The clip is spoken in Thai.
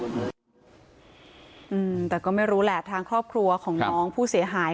อืมแต่ก็ไม่รู้แหละทางครอบครัวของน้องผู้เสียหาย